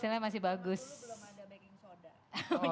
dulu belum ada baking soda